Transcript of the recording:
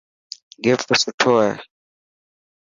گفٽ سٺو هي.